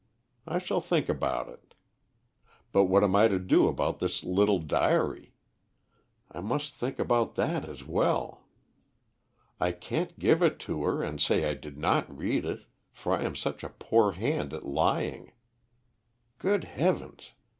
I shall think about it. But what am I to do about this little diary? I must think about that as well. I can't give it to her and say I did not read it, for I am such a poor hand at lying. Good heavens!